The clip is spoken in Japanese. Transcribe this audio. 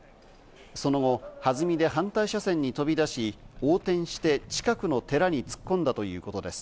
その後、はずみで反対車線に飛び出し、横転して近くの寺に突っ込んだということです。